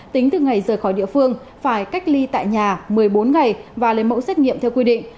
tính từ ngày rời khỏi địa phương phải cách ly tại nhà một mươi bốn ngày và lấy mẫu xét nghiệm theo quy định